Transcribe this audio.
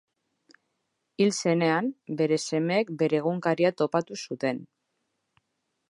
Hil zenean, bere semeek bere egunkaria topatu zuten.